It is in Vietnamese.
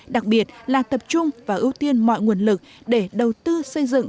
đặc biệt là tập trung và ưu tiên mọi nguồn lực để đầu tư xây dựng